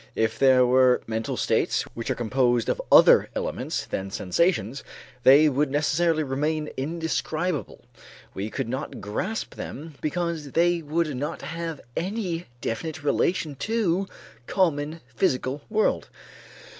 If there were mental states which are composed of other elements than sensations, they would necessarily remain indescribable; we could not grasp them because they would not have any definite relation to the common physical world.